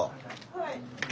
はい。